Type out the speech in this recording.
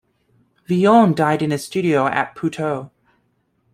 Villon died in his studio at Puteaux.